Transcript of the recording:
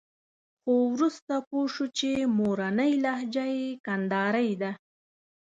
خو وروسته پوه شو چې مورنۍ لهجه یې کندارۍ ده.